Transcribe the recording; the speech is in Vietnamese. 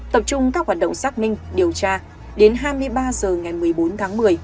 tập trung các hoạt động xác minh điều tra đến hai mươi ba h ngày một mươi bốn tháng một mươi